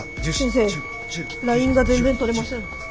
先生ラインが全然とれません。